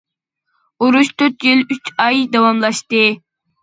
ئۇرۇش تۆت يىل ئۈچ ئاي داۋاملاشتى.